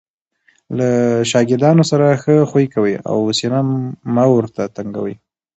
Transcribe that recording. له ښاګردانو سره ښه خوي کوئ! او سینه مه ور ته تنګوئ!